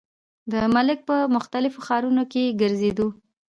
د ملک پۀ مختلفو ښارونو کښې ګرزيدو ۔